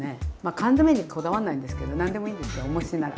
缶詰にこだわんないんですけど何でもいいんですよおもしなら。